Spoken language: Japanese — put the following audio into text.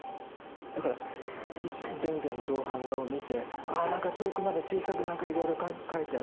だから田善の銅版画を見てああ何か遠くまで小さく何かいろいろ描いてある。